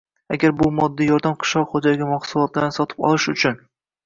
Agar bu moddiy yordam qishloq xo‘jaligi mahsulotlarini sotib olish uchun